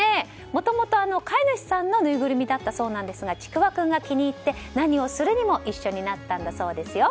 もともと、飼い主さんのぬいぐるみだったそうなんですがちくわ君が気に入って何をするにも一緒になったんだそうですよ。